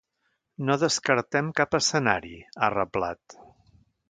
No descartem cap escenari, ha reblat.